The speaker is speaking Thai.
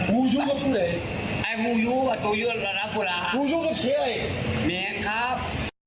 ฮูยูกับเชียว